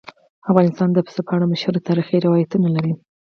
افغانستان د پسه په اړه مشهور تاریخی روایتونه لري.